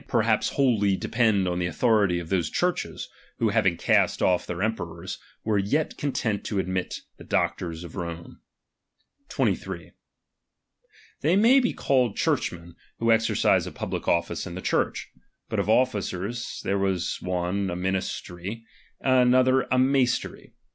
perhaps wholly depend on the authority of those Churches, who having; cast off the emperors, were yet content to admit the doctors of Rome. '23. They may be called churchmen, who exer cise a public office in the Church. But of offices, there was one a mbtistery, another a maistery.